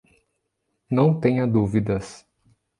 Não tenha dúvidas.